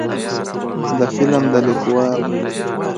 د فلم د لیکوال